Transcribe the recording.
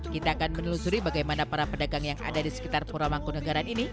kita akan menelusuri bagaimana para pedagang yang ada di sekitar pura mangkunagaran ini